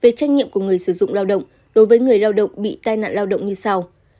về trách nhiệm của người sử dụng lao động đối với người lao động bị tai nạn lao động như sau